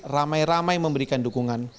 ramai ramai memberikan dukungan